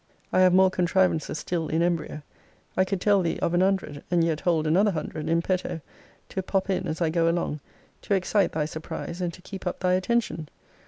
I have more contrivances still in embryo. I could tell thee of an hundred, and yet hold another hundred in petto, to pop in as I go along, to excite thy surprize, and to keep up thy attention.